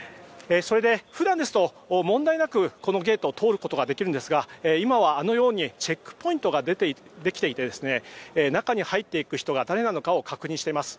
普段ですと問題なくこのゲートを通ることができるんですが今はあのようにチェックポイントができていて中に入っていく人が誰なのかを確認しています。